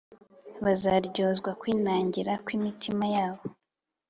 Bazaryozwa kwinangira kw’imitima yabo